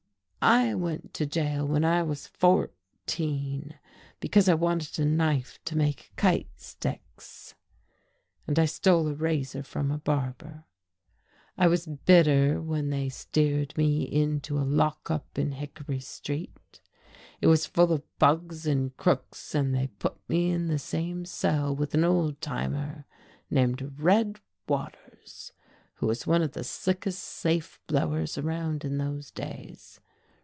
"I went to jail when I was fourteen because I wanted a knife to make kite sticks, and I stole a razor from a barber. I was bitter when they steered me into a lockup in Hickory Street. It was full of bugs and crooks, and they put me in the same cell with an old timer named 'Red' Waters; who was one of the slickest safe blowers around in those days.